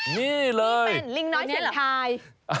นี่เลยไอ้เนี่ยหรอกนี่มันลิงน้อยเสียงทาย